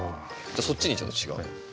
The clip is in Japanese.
そっちにちょっと違うのを。